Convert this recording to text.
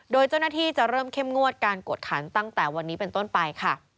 โดยเจ้าหน้าที่จะเริ่มเข้มงวดการกวดขันตั้งแต่วันนี้เป็นต้นไปค่ะ